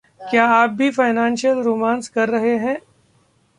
क्या आप भी 'फाइनेंशियल रोमांस कर रहे हैं?